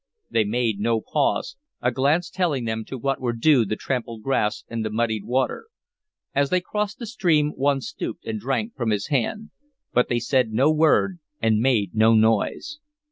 They made no pause, a glance telling them to what were due the trampled grass and the muddied water. As they crossed the stream one stooped and drank from his hand, but they said no word and made no noise.